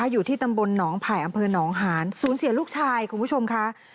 อยู่ที่ตำบลหนองไผ่อำเภอหนองหานสูญเสียลูกชายคุณผู้ชมค่ะ